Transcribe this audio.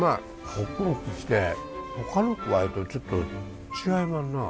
ホクホクしてほかのくわいとちょっと違いまんなぁ。